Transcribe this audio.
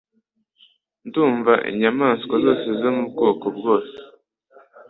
ndumva inyamaswa zose zo mu bwoko bwose